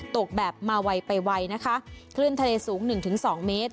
ตกแบบมาไวไปไวนะคะคลื่นทะเลสูง๑๒เมตร